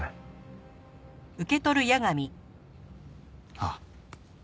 ああ。